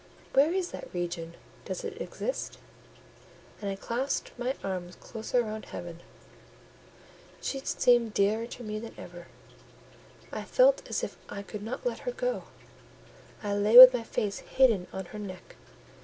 "Where is that region? Does it exist?" And I clasped my arms closer round Helen; she seemed dearer to me than ever; I felt as if I could not let her go; I lay with my face hidden on her neck.